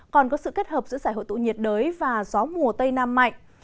còn có sự kết hợp giữa giải hội tụ nhiệt đới và gió mùa tây nam mạnh